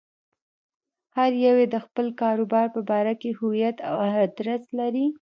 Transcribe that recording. هر يو يې د خپل کاروبار په باره کې هويت او ادرس لري.